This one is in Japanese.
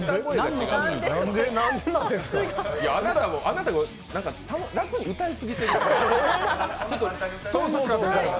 あなたが楽に歌いすぎているからね。